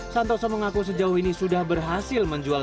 santoso mengaku sejauh ini sudah berhasil menjual